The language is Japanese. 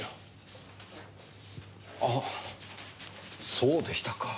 そうでしたか。